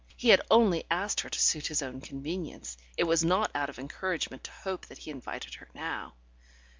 He had only asked her to suit his own convenience; it was not out of encouragement to hope that he invited her now.